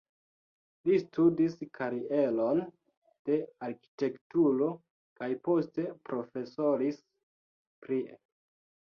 Li studis karieron de arkitekturo kaj poste profesoris prie.